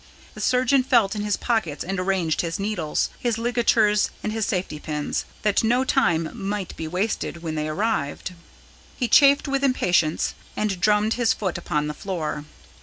The surgeon felt in his pockets and arranged his needles, his ligatures and his safety pins, that no time might be wasted when they arrived. He chafed with impatience and drummed his foot upon the floor.